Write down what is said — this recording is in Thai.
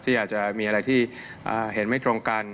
อาจจะมีอะไรที่เห็นไม่ตรงกัน